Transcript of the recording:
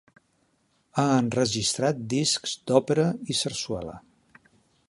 Ha enregistrat discs d'òpera i sarsuela.